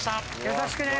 優しくね。